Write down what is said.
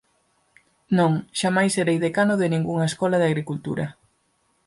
Non, xamais serei decano de ningunha Escola de Agricultura.